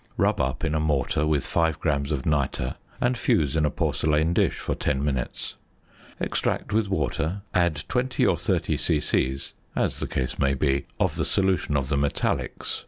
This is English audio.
Rub up in a mortar with 5 grams of nitre and fuse in a porcelain dish for ten minutes. Extract with water, add 20 or 30 c.c. (as the case may be) of the solution of the "metallics."